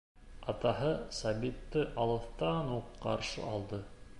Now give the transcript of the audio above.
Атаһы Сабитты алыҫтан уҡ ҡаршы алды.